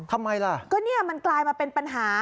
ทำไมล่ะก็เนี่ยมันกลายมาเป็นปัญหา